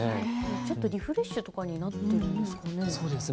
ちょっとリフレッシュとかになっているんですかね。